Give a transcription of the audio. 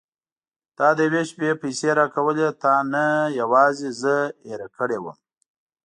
تا د یوې شپې پيسې راکولې تا نه یوازې زه هېره کړې وم.